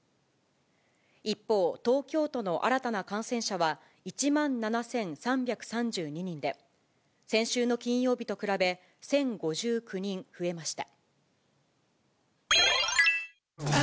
一方、東京都の新たな感染者は１万７３３２人で、先週の金曜日と比べ、１０５９人増えました。